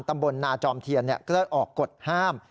ตำบลนาจอมเทียออกกฎห้าม